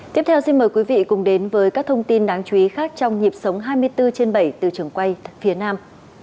tiếp theo xin mời quý vị cùng đến với các thông tin đáng chú ý khác trong nhịp sống hai mươi bốn trên bảy từ trường quay phía nam